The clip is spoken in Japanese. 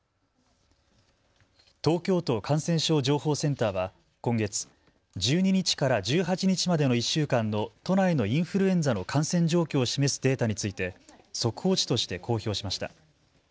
東京都感染症情報センターは今月１２日から１８日までの１週間の都内のインフルエンザの感染状況示すデータについて速報値として公表しました。